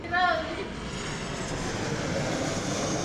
akiongea na redio france international kwa njia ya simu